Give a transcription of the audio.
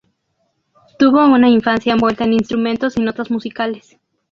Tuvo una infancia envuelta en instrumentos y notas musicales.